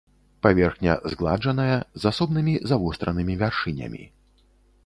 Паверхня згладжаная, з асобнымі завостранымі вяршынямі.